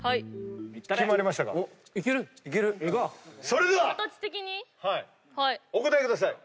それではお答えください。